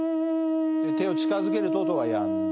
手を近づけると音がやんで。